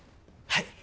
はい。